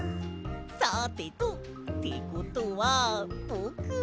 さてとってことはぼくは。